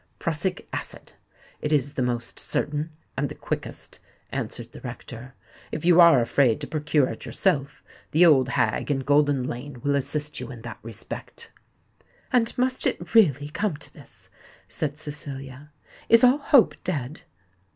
"Prussic acid: it is the most certain—and the quickest," answered the rector. "If you are afraid to procure it yourself, the old hag in Golden Lane will assist you in that respect." "And must it really come to this?" said Cecilia. "Is all hope dead?"